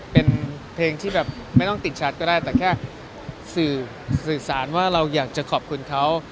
เป็นเพลงที่แบบไม่ต้องติดชัดก็ได้แต่แค่สื่อสารว่าเราอยากจะขอบคุณเขา